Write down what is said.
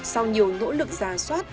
sau nhiều nỗ lực giả soát